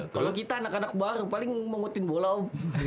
kalau kita anak anak baru paling memutin bola om